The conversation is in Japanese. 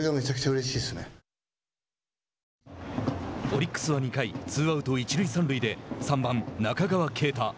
オリックスは２回ツーアウト、一塁三塁で３番、中川圭太。